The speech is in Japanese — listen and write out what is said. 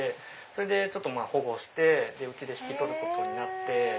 それで保護してうちで引き取ることになって。